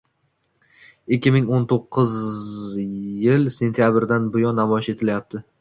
Ikki ming o’n to’qqiz yil sentyabridan buyon namoyish etilyapti.